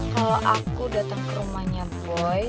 kalau aku datang ke rumahnya boy